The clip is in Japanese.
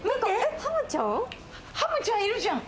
ハムちゃん、いるじゃん！